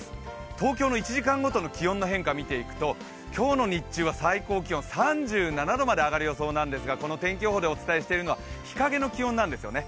東京の１時間ごとの気温の変化を見ていくと今日の日中は最高気温３７度まで上がる予想なんですがこの天気予報でお伝えしているのは日陰の気温なんですよね。